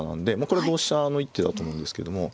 これ同飛車の一手だと思うんですけども。